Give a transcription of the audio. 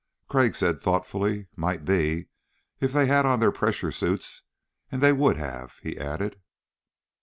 Crag said thoughtfully: "Might be, if they had on their pressure suits. And they would have," he added.